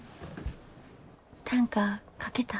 短歌書けた？